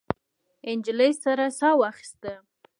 نجلۍ سړه ساه واخیسته.